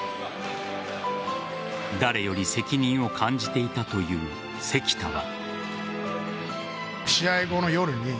誰より責任を感じていたという関田は。